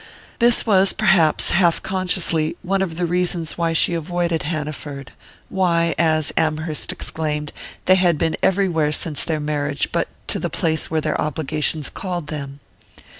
This was perhaps half consciously one of the reasons why she avoided Hanaford; why, as Amherst exclaimed, they had been everywhere since their marriage but to the place where their obligations called them.